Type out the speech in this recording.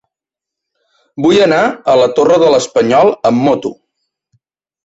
Vull anar a la Torre de l'Espanyol amb moto.